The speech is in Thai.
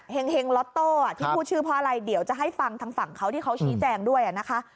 เห็งล็อตโต้ที่พูดชื่อเพราะอะไรเดี๋ยวจะให้ฟังทางฝั่งเขาที่เขาชี้แจงด้วยนะคะ